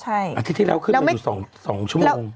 อาทิตย์ที่แล้วขึ้นมาอยู่๒ชั่วโมง